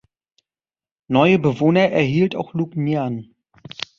Neue Bewohner erhielt auch Lugnian.